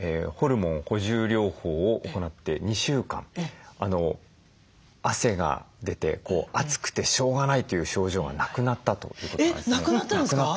ホルモン補充療法を行って２週間汗が出て暑くてしょうがないという症状がなくなったということです。